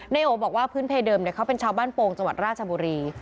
โอบอกว่าพื้นเพเดิมเขาเป็นชาวบ้านโป่งจังหวัดราชบุรี